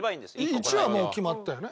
１はもう決まったよね。